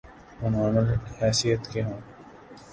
وہ نارمل حیثیت کے ہوں۔